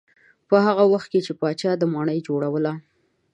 په هغه وخت کې چې پاچا دا ماڼۍ جوړوله.